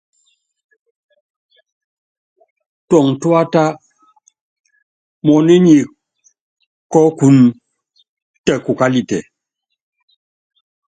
Tuɔŋu túata, muɔ́nu nyi kɔ́ɔkun tɛ kukalitɛ.